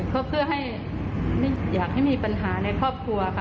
ก็เพื่อให้อยากให้มีปัญหาในครอบครัวค่ะ